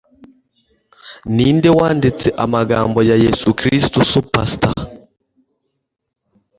Ninde wanditse amagambo ya Yesu Christ Superstar?